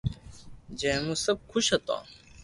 جي مون سب خوݾ ھتو